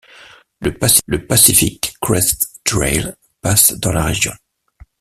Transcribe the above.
Le Pacific Crest Trail passe dans la région.